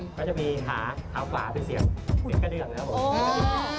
ก็จะมีขาขาขวาเป็นเสียงกระเดืองนะครับผม